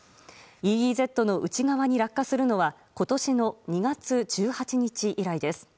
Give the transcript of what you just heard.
ＥＥＺの内側に落下するのは今年の２月１８日以来です。